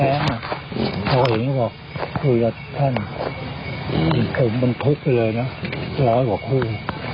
แล้วก็อย่างนี้บอกคุยกับท่านจริงมันทุกข์ไปเลยนะร้อยกว่าคู่